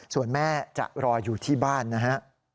ส่วนแม่จะรออยู่ที่บ้านนะฮะ